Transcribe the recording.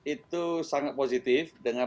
itu sangat positif dengan